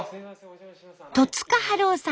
戸塚治夫さん